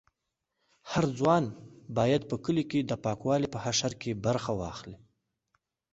هر ځوان باید په خپل کلي کې د پاکوالي په حشر کې برخه واخلي.